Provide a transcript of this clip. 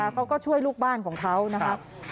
เขาก็ช่วยลูกบ้านของเขานะครับ